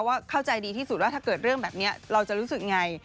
เข้าใจดีที่สุดว่าถ้าเกิดเรื่องแบบนี้เราจะรู้สึกไง